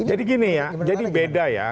jadi gini ya jadi beda ya